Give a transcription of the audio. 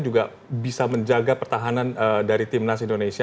juga bisa menjaga pertahanan dari tim nasional indonesia